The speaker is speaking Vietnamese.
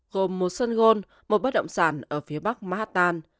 gồm một sân gôn một bất động sản ở phía bắc mahatan